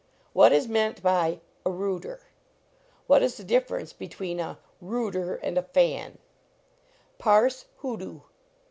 What is meant by "a rooter"? What is the difference between a "rooter" and a "fan": Parse "hoodoo."